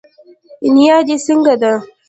نيا دي څنګه ده